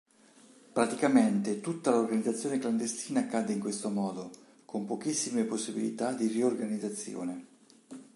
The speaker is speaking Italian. Praticamente tutta l'organizzazione clandestina cadde in questo modo, con pochissime possibilità di riorganizzazione.